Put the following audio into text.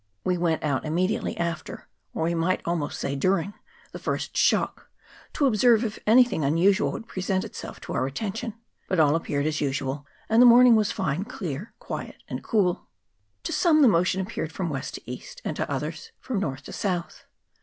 We went out immediately afte<r, or we might almost say during, the first shock, to observe if anything unusual would present itself to our attention, but all appeared as usual, and the morning was fine, clear, quiet, and cool. " To some the motion appeared from west to east, and to others from north to south.